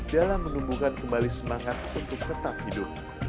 dalam menumbuhkan kembali semangat untuk tetap hidup